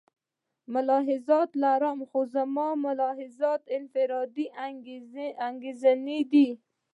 ملاحظات لرم خو زما ملاحظات انفرادي انګېرنې دي.